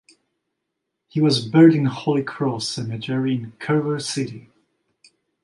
He was buried in Holy Cross Cemetery in Culver City.